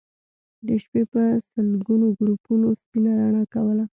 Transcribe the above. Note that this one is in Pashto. د شپې به سلګونو ګروپونو سپينه رڼا کوله